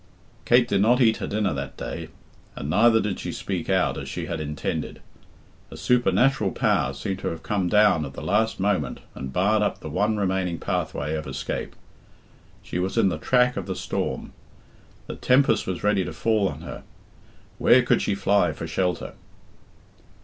Kate did not eat her dinner that day, and neither did she speak out as she had intended. A supernatural power seemed to have come down at the last moment and barred up the one remaining pathway of escape. She was in the track of the storm. The tempest was ready to fall on her. Where could she fly for shelter?